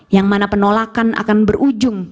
yang mana penolakan akan berujung